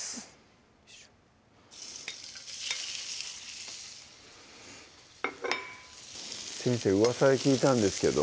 よいしょ先生うわさで聞いたんですけど